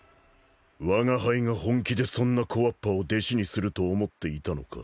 わが輩が本気でそんなこわっぱを弟子にすると思っていたのか？